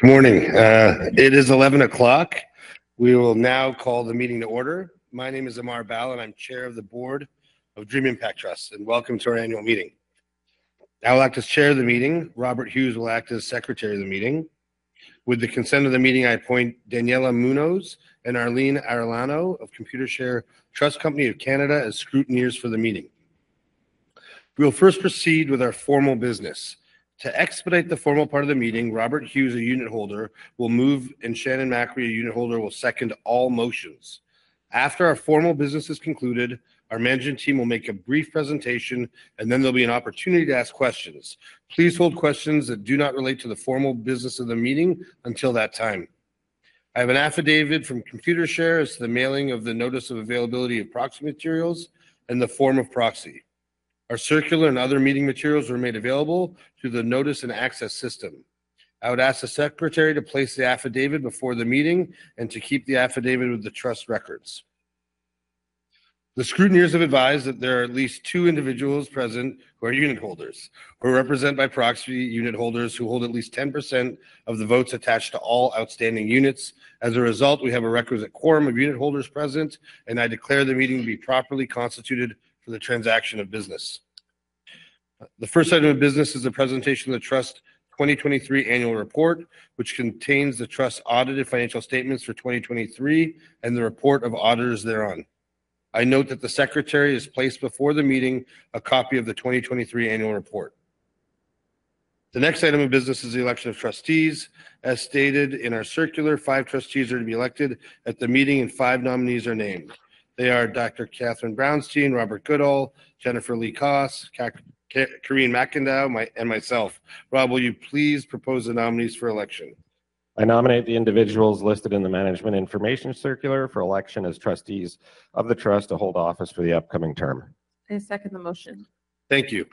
Good morning. It is 11:00 A.M. We will now call the meeting to order. My name is Amar Bhalla, and I'm Chair of the Board of Dream Impact Trust, and welcome to our annual meeting. I will act as chair of the meeting. Robert Hughes will act as secretary of the meeting. With the consent of the meeting, I appoint Daniela Munoz and Arlene Arellano of Computershare Trust Company of Canada as scrutineers for the meeting. We will first proceed with our formal business. To expedite the formal part of the meeting, Robert Hughes, a unitholder, will move, and Shannon Macri, a unitholder, will second all motions. After our formal business is concluded, our management team will make a brief presentation, and then there'll be an opportunity to ask questions. Please hold questions that do not relate to the formal business of the meeting until that time. I have an affidavit from Computershare as to the mailing of the notice of availability of proxy materials and the form of proxy. Our circular and other meeting materials were made available through the notice and access system. I would ask the secretary to place the affidavit before the meeting and to keep the affidavit with the Trust records. The scrutineers have advised that there are at least two individuals present who are unitholders, who are represented by proxy unitholders who hold at least 10% of the votes attached to all outstanding units. As a result, we have a requisite quorum of unitholders present, and I declare the meeting to be properly constituted for the transaction of business. The first item of business is a presentation of the Trust 2023 Annual Report, which contains the Trust's audited financial statements for 2023 and the report of auditors thereon. I note that the secretary has placed before the meeting a copy of the 2023 Annual Report. The next item of business is the election of trustees. As stated in our circular, five trustees are to be elected at the meeting, and five nominees are named. They are Dr. Catherine Brownstein, Robert Goodall, Jennifer Lee Koss, Karine MacIndoe, and myself. Rob, will you please propose the nominees for election? I nominate the individuals listed in the Management Information Circular for election as trustees of the Trust to hold office for the upcoming term. I second the motion. Thank you.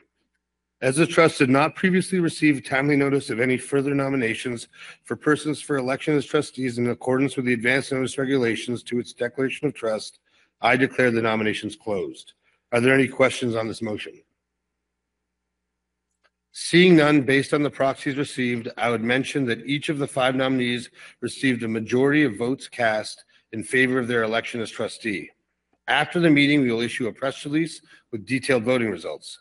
As the Trust did not previously receive timely notice of any further nominations for persons for election as trustees in accordance with the Advance Notice Regulations to its Declaration of Trust, I declare the nominations closed. Are there any questions on this motion? Seeing none, based on the proxies received, I would mention that each of the five nominees received a majority of votes cast in favor of their election as trustee. After the meeting, we will issue a press release with detailed voting results.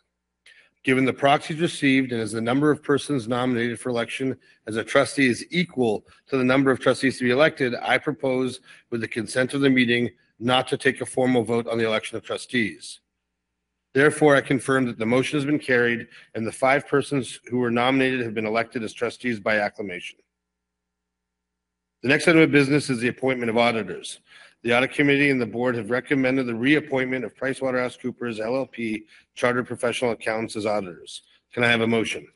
Given the proxies received, and as the number of persons nominated for election as a trustee is equal to the number of trustees to be elected, I propose, with the consent of the meeting, not to take a formal vote on the election of trustees. Therefore, I confirm that the motion has been carried, and the five persons who were nominated have been elected as trustees by acclamation. The next item of business is the appointment of auditors. The audit committee and the board have recommended the reappointment of PricewaterhouseCoopers LLP, Chartered Professional Accountants, as auditors. Can I have a motion?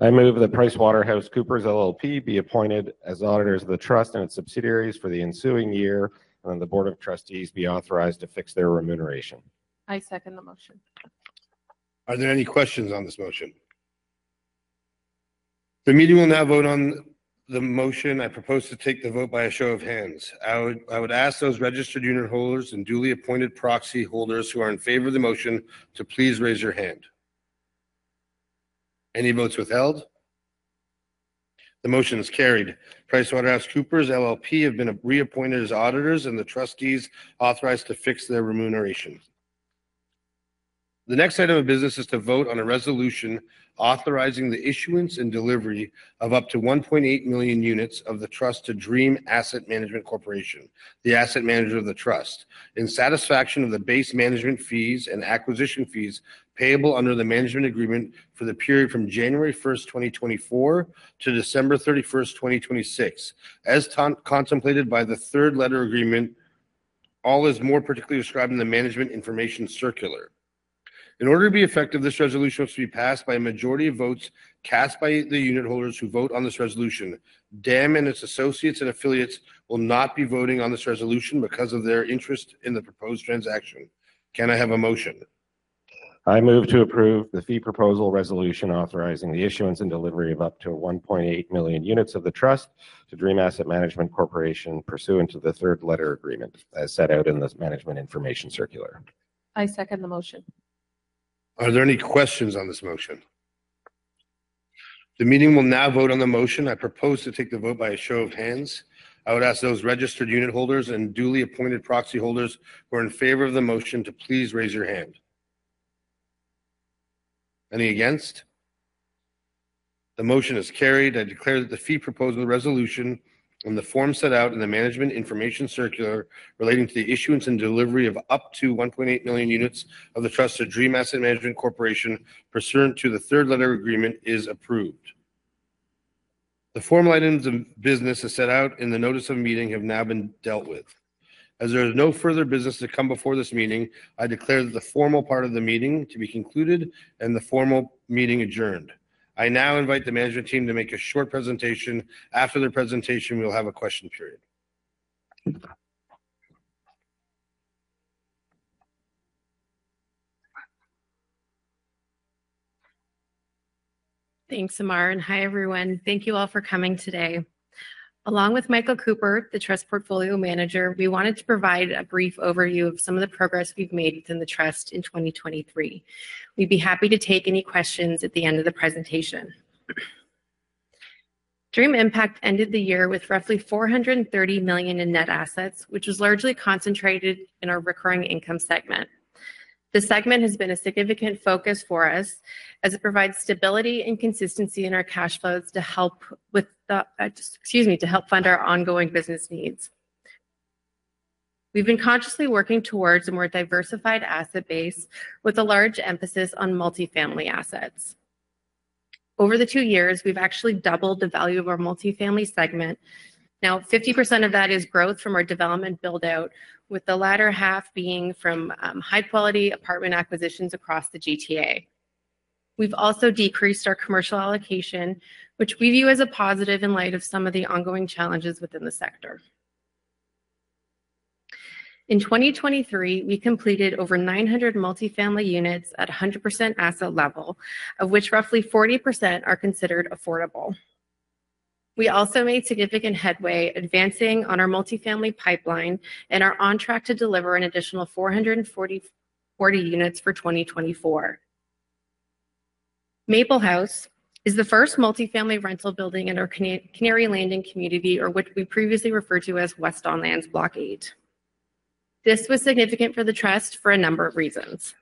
I move that PricewaterhouseCoopers LLP be appointed as auditors of the Trust and its subsidiaries for the ensuing year, and the board of trustees be authorized to fix their remuneration. I second the motion. Are there any questions on this motion? The meeting will now vote on the motion. I propose to take the vote by a show of hands. I would, I would ask those registered unitholders and duly appointed proxy holders who are in favor of the motion to please raise your hand. Any votes withheld? The motion is carried. PricewaterhouseCoopers LLP have been reappointed as auditors, and the trustees authorized to fix their remuneration. The next item of business is to vote on a resolution authorizing the issuance and delivery of up to 1.8 million units of the Trust to Dream Asset Management Corporation, the asset manager of the Trust, in satisfaction of the base management fees and acquisition fees payable under the Management Agreement for the period from January 1, 2024, to December 31, 2026, as contemplated by the Third Letter Agreement, all as more particularly described in the Management Information Circular. In order to be effective, this resolution must be passed by a majority of votes cast by the unitholders who vote on this resolution. DAM and its associates and affiliates will not be voting on this resolution because of their interest in the proposed transaction. Can I have a motion? I move to approve the fee proposal resolution authorizing the issuance and delivery of up to 1.8 million units of the Trust to Dream Asset Management Corporation, pursuant to the Third Letter Agreement, as set out in this Management Information Circular. I second the motion. Are there any questions on this motion? The meeting will now vote on the motion. I propose to take the vote by a show of hands. I would ask those registered unitholders and duly appointed proxy holders who are in favor of the motion to please raise your hand. Any against? The motion is carried. I declare that the fee proposal resolution in the form set out in the management information circular relating to the issuance and delivery of up to 1.8 million units of the Trust to Dream Asset Management Corporation, pursuant to the Third Letter Agreement, is approved. The formal items of business as set out in the notice of the meeting have now been dealt with. As there is no further business to come before this meeting, I declare that the formal part of the meeting to be concluded and the formal meeting adjourned. I now invite the management team to make a short presentation. After their presentation, we will have a question period. Thanks, Amar, and hi, everyone. Thank you all for coming today. Along with Michael Cooper, the Trust Portfolio Manager, we wanted to provide a brief overview of some of the progress we've made within the Trust in 2023. We'd be happy to take any questions at the end of the presentation. Dream Impact ended the year with roughly 430 million in net assets, which was largely concentrated in our recurring income segment. This segment has been a significant focus for us as it provides stability and consistency in our cash flows to help fund our ongoing business needs. We've been consciously working towards a more diversified asset base with a large emphasis on multifamily assets. Over the two years, we've actually doubled the value of our multifamily segment. Now, 50% of that is growth from our development build-out, with the latter half being from high-quality apartment acquisitions across the GTA. We've also decreased our commercial allocation, which we view as a positive in light of some of the ongoing challenges within the sector. In 2023, we completed over 900 multifamily units at a 100% asset level, of which roughly 40% are considered affordable. We also made significant headway advancing on our multifamily pipeline and are on track to deliver an additional 440 units for 2024. Maple House is the first multifamily rental building in our Canary Landing community, which we previously referred to as West Don Lands Block 8. This was significant for the Trust for a number of reasons.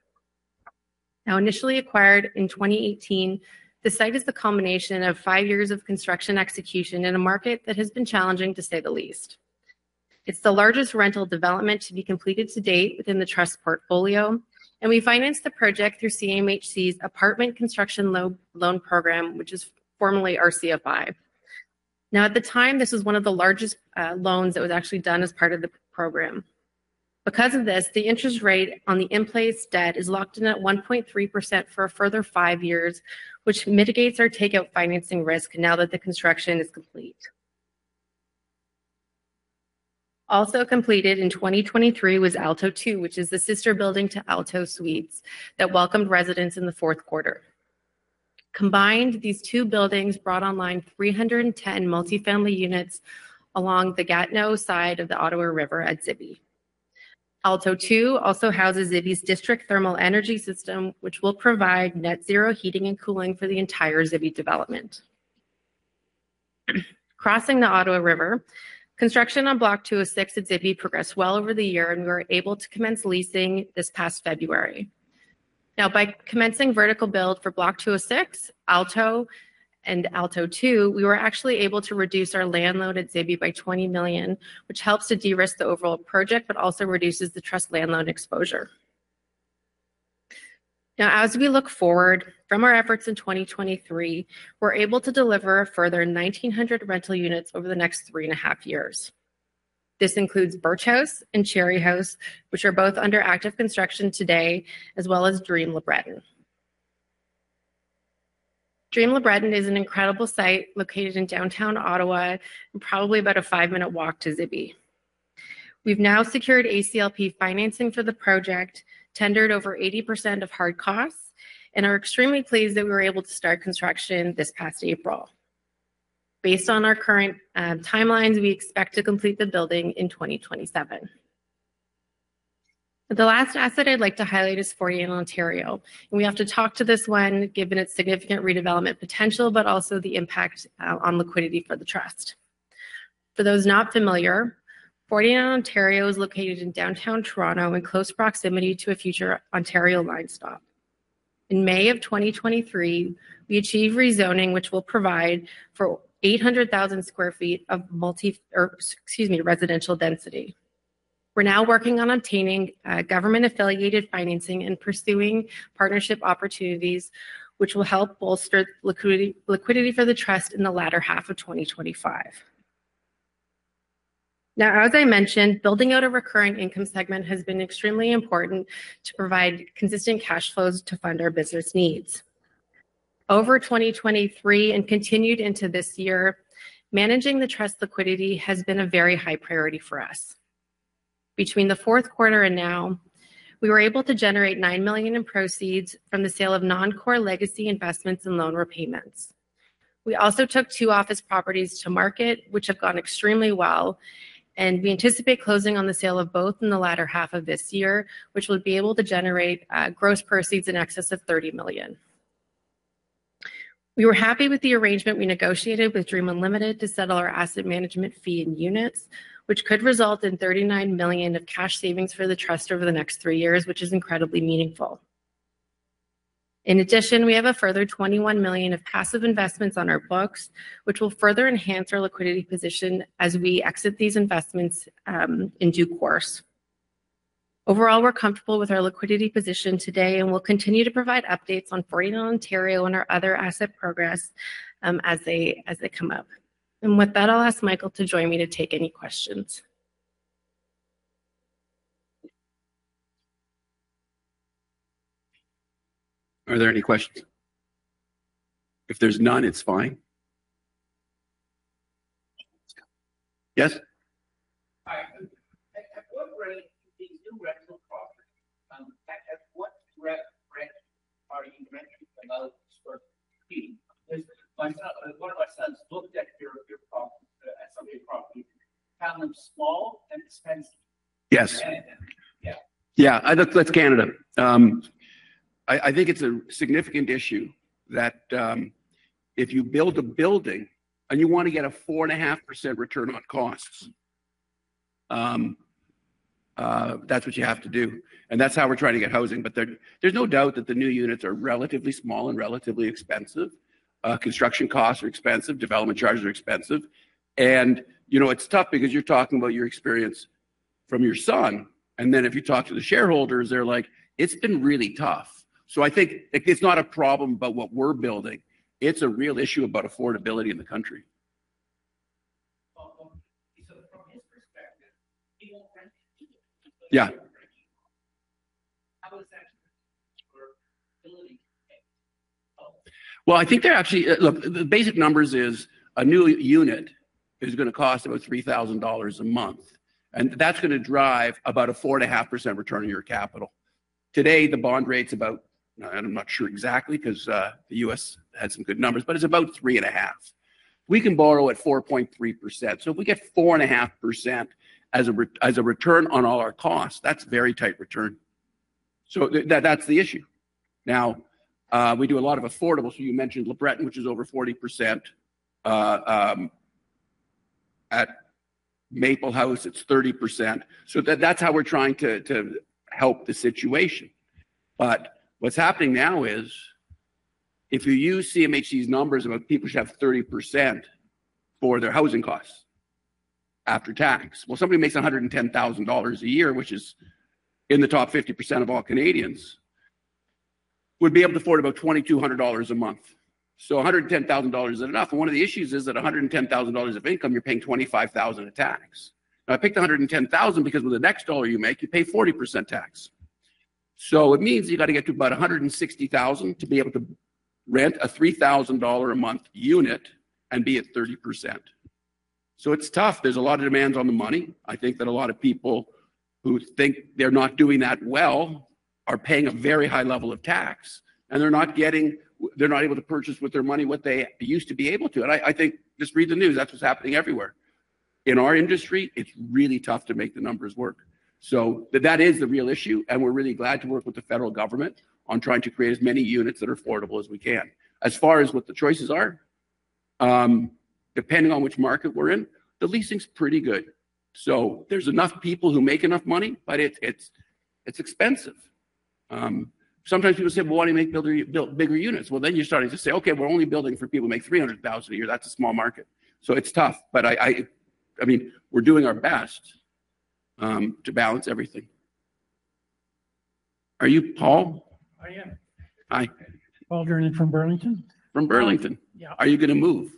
Now, initially acquired in 2018, the site is the combination of five years of construction execution in a market that has been challenging, to say the least. It's the largest rental development to be completed to date within the Trust portfolio, and we financed the project through CMHC's Apartment Construction Loan Program, which is formerly RCFI. Now, at the time, this was one of the largest loans that was actually done as part of the program. Because of this, the interest rate on the in-place debt is locked in at 1.3% for a further five years, which mitigates our takeout financing risk now that the construction is complete. Also completed in 2023 was Alto II, which is the sister building to Alto Suites that welcomed residents in the fourth quarter. Combined, these two buildings brought online 310 multifamily units along the Gatineau side of the Ottawa River at Zibi. Alto II also houses Zibi's district thermal energy system, which will provide net zero heating and cooling for the entire Zibi development. Crossing the Ottawa River, construction on Block 206 at Zibi progressed well over the year, and we were able to commence leasing this past February. Now, by commencing vertical build for Block 206, Alto and Alto II, we were actually able to reduce our land loan at Zibi by 20 million, which helps to de-risk the overall project, but also reduces the Trust land loan exposure. Now, as we look forward from our efforts in 2023, we're able to deliver a further 1,900 rental units over the next 3.5 years. This includes Birch House and Cherry House, which are both under active construction today, as well as Dream LeBreton. Dream LeBreton is an incredible site located in Downtown Ottawa, and probably about a five-minute walk to Zibi. We've now secured ACLP financing for the project, tendered over 80% of hard costs and are extremely pleased that we were able to start construction this past April. Based on our current timelines, we expect to complete the building in 2027. The last asset I'd like to highlight is 49 Ontario, and we have to talk to this one, given its significant redevelopment potential, but also the impact on liquidity for the Trust. For those not familiar, 49 Ontario is located in Downtown Toronto, in close proximity to a future Ontario Line stop. In May of 2023, we achieved rezoning, which will provide for 800,000 sq ft of residential density. We're now working on obtaining government-affiliated financing and pursuing partnership opportunities, which will help bolster liquidity, liquidity for the Trust in the latter half of 2025. Now, as I mentioned, building out a recurring income segment has been extremely important to provide consistent cash flows to fund our business needs. Over 2023 and continued into this year, managing the Trust liquidity has been a very high priority for us. Between the fourth quarter and now, we were able to generate 9 million in proceeds from the sale of non-core legacy investments and loan repayments. We also took two office properties to market, which have gone extremely well, and we anticipate closing on the sale of both in the latter half of this year, which would be able to generate gross proceeds in excess of 30 million. We were happy with the arrangement we negotiated with Dream Unlimited to settle our asset management fee in units, which could result in 39 million of cash savings for the Trust over the next three years, which is incredibly meaningful. In addition, we have a further 21 million of passive investments on our books, which will further enhance our liquidity position as we exit these investments in due course. Overall, we're comfortable with our liquidity position today, and we'll continue to provide updates on 49 Ontario and our other asset progress as they come up. With that, I'll ask Michael to join me to take any questions. Are there any questions? If there's none, it's fine. Yes?... My son, one of my sons looked at your, your property, at some of your property, found them small and expensive. Yes. Yeah. Yeah, that, that's Canada. I think it's a significant issue that, if you build a building and you wanna get a 4.5% return on costs, that's what you have to do, and that's how we're trying to get housing. But there, there's no doubt that the new units are relatively small and relatively expensive. Construction costs are expensive, development charges are expensive. And, you know, it's tough because you're talking about your experience from your son, and then if you talk to the shareholders, they're like, "It's been really tough." So I think, like, it's not a problem about what we're building; it's a real issue about affordability in the country. Well, well, so from his perspective, he won't rent it. Yeah. How was that affordability? Oh. Well, I think they're actually... look, the basic numbers is, a new unit is gonna cost about 3,000 dollars a month, and that's gonna drive about a 4.5% return on your capital. Today, the bond rate's about, and I'm not sure exactly 'cause, the U.S. had some good numbers, but it's about 3.5. We can borrow at 4.3%, so if we get 4.5% as a return on all our costs, that's very tight return. So that's the issue. Now, we do a lot of affordable. So you mentioned LeBreton, which is over 40%. At Maple House, it's 30%. So that's how we're trying to, to help the situation. But what's happening now is, if you use CMHC's numbers about people should have 30% for their housing costs after tax. Well, somebody makes 110,000 dollars a year, which is in the top 50% of all Canadians, would be able to afford about 2,200 dollars a month. So 110,000 dollars isn't enough, and one of the issues is that 110,000 dollars of income, you're paying 25,000 in tax. Now, I picked 110,000 because with the next dollar you make, you pay 40% tax. So it means you got to get to about 160,000 to be able to rent a CAD 3,000-a-month unit and be at 30%. So it's tough. There's a lot of demands on the money. I think that a lot of people who think they're not doing that well are paying a very high level of tax, and they're not able to purchase with their money what they used to be able to. I think, just read the news, that's what's happening everywhere. In our industry, it's really tough to make the numbers work. So that is the real issue, and we're really glad to work with the federal government on trying to create as many units that are affordable as we can. As far as what the choices are, depending on which market we're in, the leasing's pretty good. So there's enough people who make enough money, but it's expensive. Sometimes people say, "Well, why don't you make builder, build bigger units?" Well, then you're starting to say, "Okay, we're only building for people who make 300,000 a year." That's a small market. So it's tough, but I mean, we're doing our best to balance everything. Are you Paul? I am. Hi. Paul Vernon from Burlington. From Burlington? Yeah. Are you gonna move?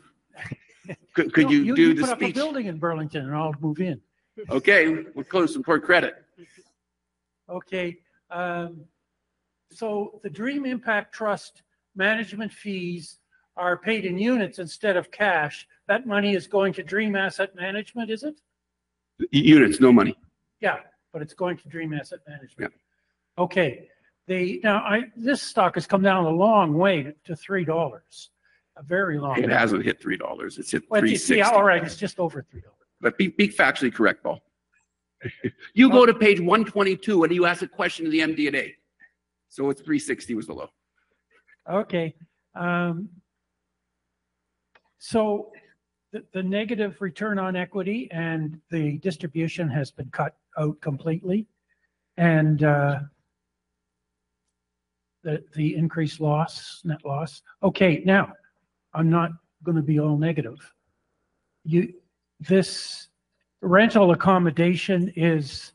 Could you do the speech- You put up a building in Burlington, and I'll move in. Okay, we'll pull some poor credit. Okay, so the Dream Impact Trust management fees are paid in units instead of cash. That money is going to Dream Asset Management, is it? Units, no money. Yeah, but it's going to Dream Asset Management? Yeah. Okay. This stock has come down a long way to 3 dollars, a very long way. It hasn't hit 3 dollars. It's hit 3.60. Well, you see, all right, it's just over 3 dollars. But be factually correct, Paul. You go to page 122, and you ask a question to the MD&A. So it's 3.60 was the low. Okay, so the negative return on equity and the distribution has been cut out completely, and the increased loss, net loss. Okay, now, I'm not gonna be all negative. You-- this rental accommodation is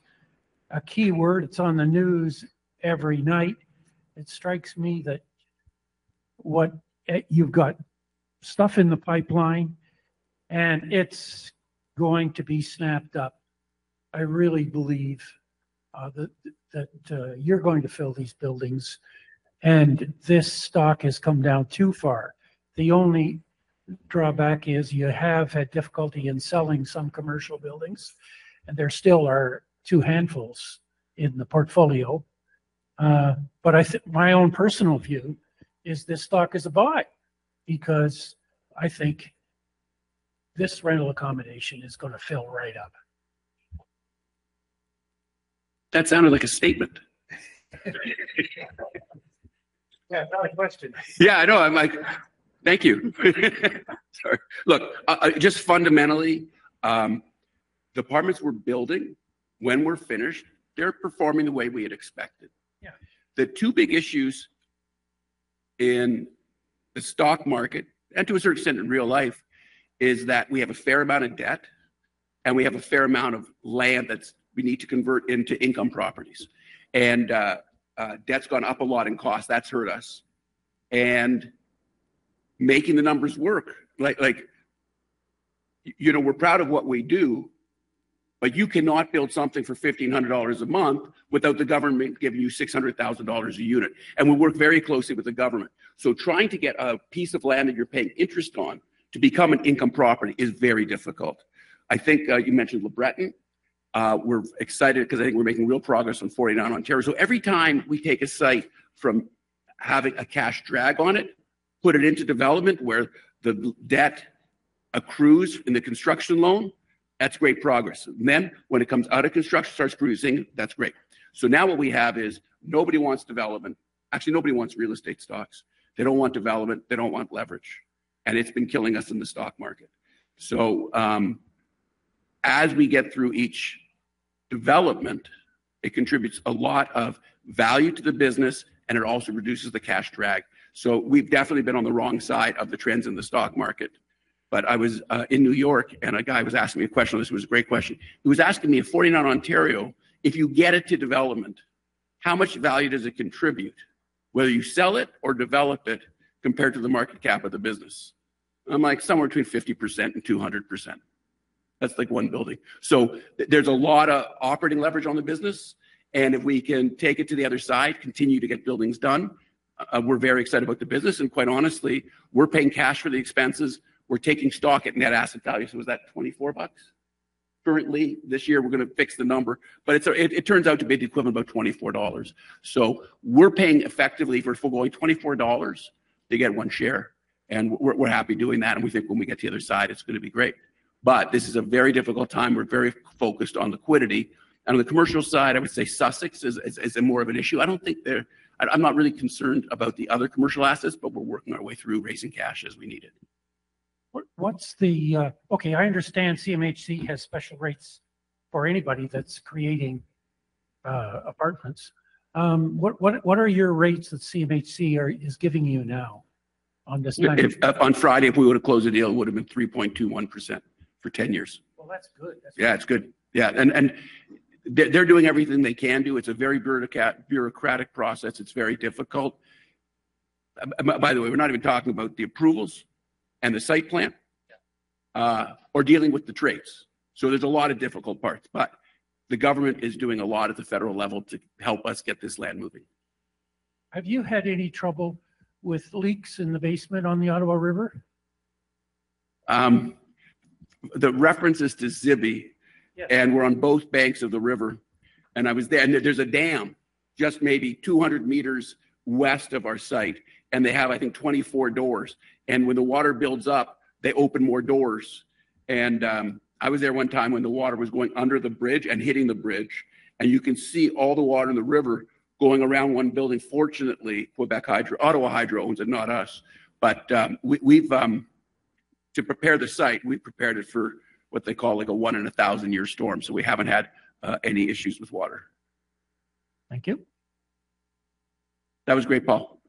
a key word. It's on the news every night. It strikes me that what you've got stuff in the pipeline, and it's going to be snapped up. I really believe that you're going to fill these buildings, and this stock has come down too far. The only drawback is you have had difficulty in selling some commercial buildings, and there still are two handfuls in the portfolio. But my own personal view is this stock is a buy because I think this rental accommodation is gonna fill right up. That sounded like a statement. Yeah, not a question. Yeah, I know. I'm like... Thank you. Sorry. Look, just fundamentally, the apartments we're building, when we're finished, they're performing the way we had expected. Yeah. The two big issues in the stock market, and to a certain extent in real life, is that we have a fair amount of debt, and we have a fair amount of land that's we need to convert into income properties. And debt's gone up a lot in cost. That's hurt us. And making the numbers work, like you know, we're proud of what we do, but you cannot build something for 1,500 dollars a month without the government giving you 600,000 dollars a unit, and we work very closely with the government. So trying to get a piece of land that you're paying interest on to become an income property is very difficult. I think you mentioned LeBreton... We're excited, 'cause I think we're making real progress on 49 Ontario. So every time we take a site from having a cash drag on it, put it into development where the debt accrues in the construction loan, that's great progress. Then, when it comes out of construction, starts cruising, that's great. So now what we have is, nobody wants development. Actually, nobody wants real estate stocks. They don't want development. They don't want leverage, and it's been killing us in the stock market. So, as we get through each development, it contributes a lot of value to the business, and it also reduces the cash drag. So we've definitely been on the wrong side of the trends in the stock market. But I was in New York, and a guy was asking me a question. This was a great question. He was asking me, "At 49 Ontario, if you get it to development, how much value does it contribute, whether you sell it or develop it, compared to the market cap of the business?" I'm like, "Somewhere between 50%-200%." That's, like, one building. So there's a lot of operating leverage on the business, and if we can take it to the other side, continue to get buildings done, we're very excited about the business. And quite honestly, we're paying cash for the expenses. We're taking stock at net asset value. So was that 24 bucks? Currently, this year, we're gonna fix the number, but it turns out to be the equivalent of about 24 dollars. So we're paying effectively 24 dollars to get one share, and we're happy doing that, and we think when we get to the other side, it's gonna be great. But this is a very difficult time. We're very focused on liquidity. On the commercial side, I would say Sussex is a more of an issue. I don't think they're. I'm not really concerned about the other commercial assets, but we're working our way through raising cash as we need it. What's the... Okay, I understand CMHC has special rates for anybody that's creating apartments. What are your rates that CMHC are, is giving you now on this- On Friday, if we would've closed the deal, it would've been 3.21% for 10 years. Well, that's good. Yeah, it's good. Yeah, and they're doing everything they can do. It's a very bureaucratic process. It's very difficult. By the way, we're not even talking about the approvals and the site plan- Yeah... or dealing with the trades. So there's a lot of difficult parts, but the government is doing a lot at the federal level to help us get this land moving. Have you had any trouble with leaks in the basement on the Ottawa River? The reference is to Zibi. Yes. We're on both banks of the river, and I was there. There's a dam just maybe 200 m west of our site, and they have, I think, 24 doors. And, when the water builds up, they open more doors. And, I was there one time when the water was going under the bridge and hitting the bridge, and you can see all the water in the river going around one building. Fortunately, Hydro-Québec, Hydro Ottawa owns it, not us. But, we've... To prepare the site, we prepared it for what they call, like, a 1-in-1,000-year storm, so we haven't had, any issues with water. Thank you. That was great, Paul.